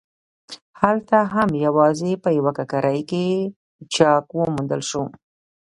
هلته هم یوازې په یوه ککرۍ کې چاک وموندل شو.